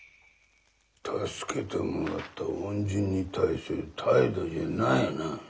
助けてもらった恩人に対する態度じゃないな。